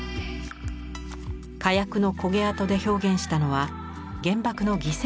火薬の焦げ跡で表現したのは原爆の犠牲者の姿。